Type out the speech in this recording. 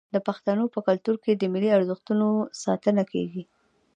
د پښتنو په کلتور کې د ملي ارزښتونو ساتنه کیږي.